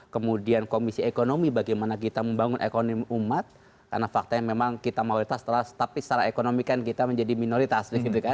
kemudian komisi ekonomi bagaimana kita membangun ekonomi umat karena faktanya memang kita mayoritas tapi secara ekonomi kan kita menjadi minoritas